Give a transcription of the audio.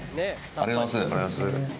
ありがとうございます。